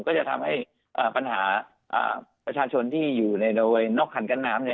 ก็จะทำให้ปัญหาประชาชนที่อยู่ในโดยนอกคันกั้นน้ำ